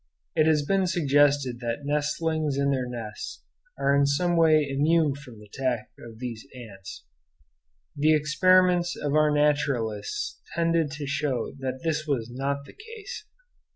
It has been suggested that nestlings in their nests are in some way immune from the attack of these ants. The experiments of our naturalists tended to show that this was not the case.